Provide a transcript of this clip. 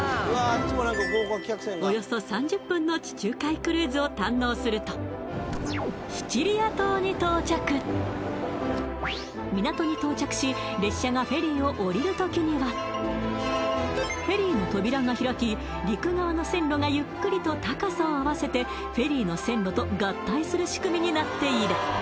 鉄道およそを堪能すると港に到着し列車がフェリーを降りる時にはフェリーの扉が開き陸側の線路がゆっくりと高さを合わせてフェリーの線路と合体する仕組みになっている